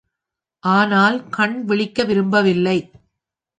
ஆனால் கண் விழிக்க விரும்பவில்லை.